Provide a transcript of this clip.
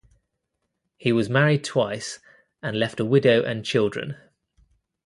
He was married twice and left a widow and children.